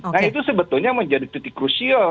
nah itu sebetulnya menjadi titik krusial